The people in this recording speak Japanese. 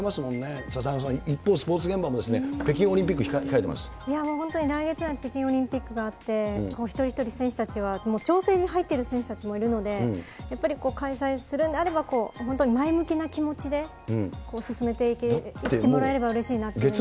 田中さん、一方、スポーツ現場も本当に来月には北京オリンピックがあって、一人一人選手たちは調整に入っている選手たちもいるので、やっぱり開催するんであれば、本当に前向きな気持ちで進めていってもらえればうれしいなと。